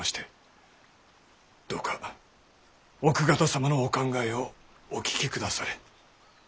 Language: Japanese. どうか奥方様のお考えをお聞きくだされ。